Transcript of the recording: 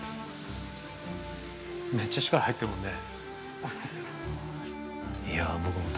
めっちゃ力、入ってるもんね。